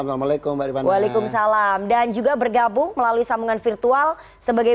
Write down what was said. assalamualaikum waalaikumsalam dan juga bergabung melalui sambungan virtual sebagai